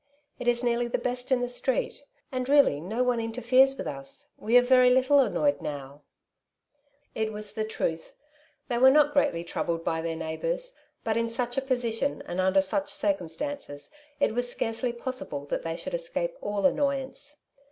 It is nearly the best in the street, and really no one inter feres with us j we are very little annoyed now.^' ^ 38 " Two Sides to every Question^ It was tlie truth ; they were not greatly troubled by their neighbours; but in such a position and under such circumstances it was scarcely possible that they should escape all annoyance.